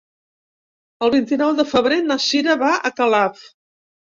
El vint-i-nou de febrer na Cira va a Calaf.